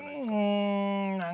うん。